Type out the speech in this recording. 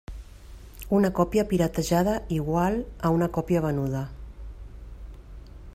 Una còpia “piratejada” igual a una còpia venuda.